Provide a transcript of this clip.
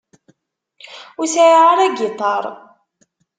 Ur sεiɣ ara agiṭar.